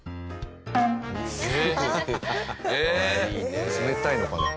おお冷たいのかな？